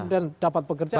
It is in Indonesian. dan dapat pekerjaan